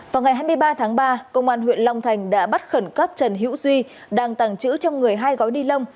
vào ngày hai mươi ba tháng ba công an huyện long thành đã bắt khẩn cấp trần hữu duy đang tàng trữ trong người hai gói ni lông